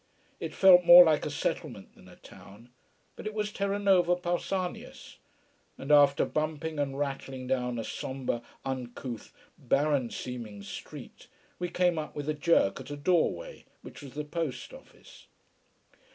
It felt more like a settlement than a town. But it was Terranova Pausanias. And after bumping and rattling down a sombre uncouth, barren seeming street, we came up with a jerk at a doorway which was the post office.